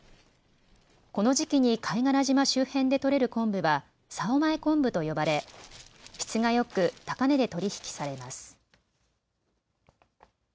この時期に貝殻島周辺で取れるコンブは棹前コンブと呼ばれ質がよく高値で取り引きされます。